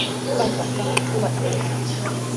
Paypaq kaq uqanta makaykuy.